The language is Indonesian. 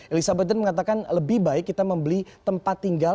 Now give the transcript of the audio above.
elizabethin mengatakan lebih baik kita membeli tempat tinggal